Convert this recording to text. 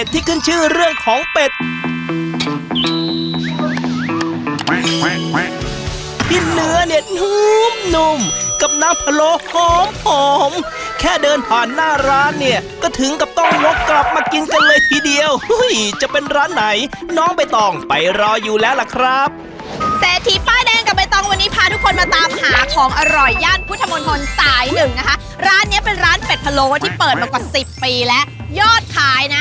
ที่ขึ้นชื่อเรื่องของเป็ดที่เนื้อเนี่ยนุ่มนุ่มกับน้ำพะโลหอมหอมแค่เดินผ่านหน้าร้านเนี่ยก็ถึงกับต้องลุกกลับมากินกันเลยทีเดียวจะเป็นร้านไหนน้องใบตองไปรออยู่แล้วล่ะครับเศรษฐีป้ายแดงกับใบตองวันนี้พาทุกคนมาตามหาของอร่อยย่านพุทธมนตรสายหนึ่งนะคะร้านเนี้ยเป็นร้านเป็ดพะโลที่เปิดมากว่าสิบปีแล้วยอดขายนะ